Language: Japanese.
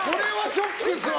ショックですよ！